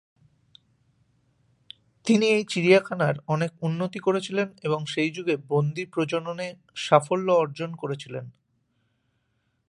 তিনি এই চিড়িয়াখানার অনেক উন্নতি করেছিলেন এবং সেই যুগে বন্দী প্রজননে সাফল্য অর্জন করেছিলেন।